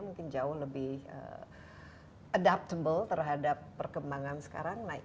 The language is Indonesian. mungkin jauh lebih adaptable terhadap perkembangan sekarang